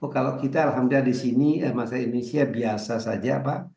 kalau kita alhamdulillah di sini masa indonesia biasa saja pak